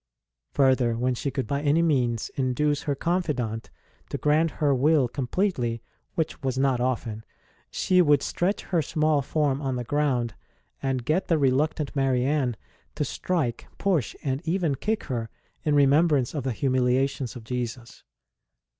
Further, when she could by any means induce her confidant to grant her her will completely, which was not often, she would stretch her small form on the ground and get the reluctant Marianne to strike, push, and even kick her, in remembrance of the humiliations of Jesus.